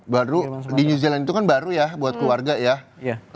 baru di new zealand itu kan baru ya buat keluarga ya